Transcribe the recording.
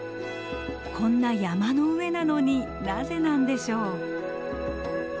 こんな山の上なのになぜなんでしょう？